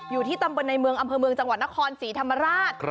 อยู่ที่ตำบลในเมืองอำเภอเมืองจังหวัดนครศรีธรรมราช